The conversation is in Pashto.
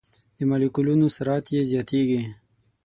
د مالیکولونو سرعت یې زیاتیږي.